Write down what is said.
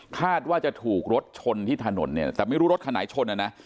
คาดว่าจะถูกรถชนที่ถนนเนี่ยแต่ไม่รู้รถคันไหนชนอ่ะนะ